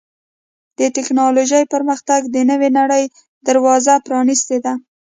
د ټکنالوجۍ پرمختګ د نوې نړۍ دروازه پرانستې ده.